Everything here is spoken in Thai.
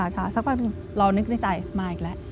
ชาสักปันรอนึกในใจมาอีกแล้ว